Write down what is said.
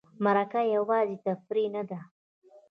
مرکه یوازې تفریح نه ده.